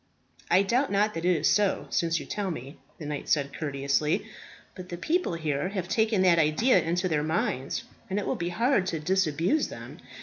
"I doubt not that it is so, since you tell me," the knight said courteously. "But the people here have taken that idea into their minds, and it will be hard to disabuse them.